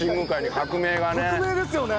革命ですよね。